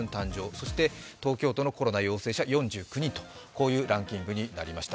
そして東京都のコロナ陽性者４９人というランキングになりました。